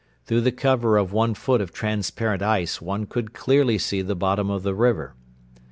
Through the cover of one foot of transparent ice one could clearly see the bottom of the river.